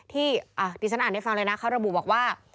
ที่ดิฉันอ่านให้ฟังเลยนะเขาระบุบอกว่า